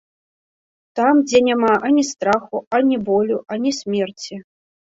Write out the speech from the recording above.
Там, дзе няма ані страху, ані болю, ані смерці.